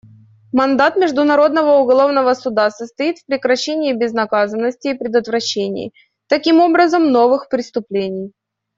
Мандат Международного уголовного суда состоит в прекращении безнаказанности и предотвращении, таким образом, новых преступлений.